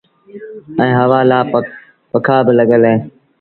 ائيٚݩ هوآ لآ پکآ با لڳل اوهيݩ۔